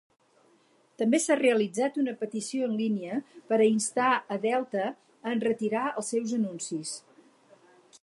També s'ha realitzat una petició en línia per a instar a Delta a enretirar els seus anuncis.